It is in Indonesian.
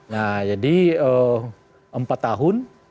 nah jadi empat tahun